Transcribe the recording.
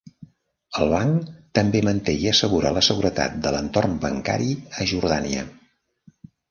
El banc també manté i assegura la seguretat de l'entorn bancari a Jordània.